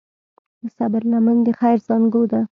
د صبر لمن د خیر زانګو ده.